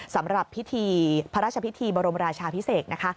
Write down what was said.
สำหรับพิธีพระราชพิธีบรมราชาพิเศษนะคะ